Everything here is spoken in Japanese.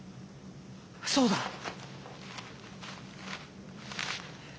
そうだ。